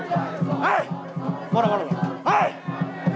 はい！